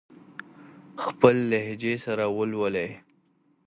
خپل لهجې سره ولولئ.